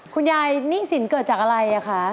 คุณยายหนี้สินเกิดจากอะไรอะคะ